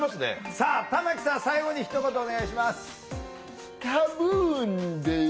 さあ玉木さん最後にひと言お願いします。